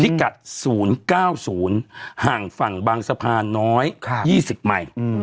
ที่กัด๐๙๐ห่างฝั่งบางสะพานน้อย๒๐ไมค์